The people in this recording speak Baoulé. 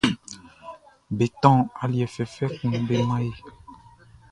Be tɔn aliɛ fɛfɛ kun be man e.